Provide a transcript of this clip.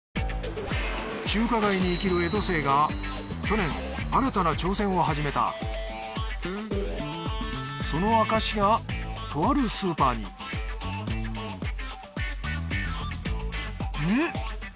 中華街に生きる江戸清が去年新たな挑戦を始めたその証しがとあるスーパーにん？